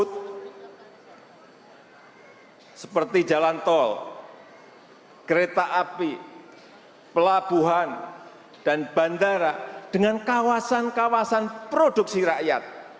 dan menyambungkan infrastruktur tersebut seperti jalan tol kereta api pelabuhan dan bandara dengan kawasan kawasan produksi rakyat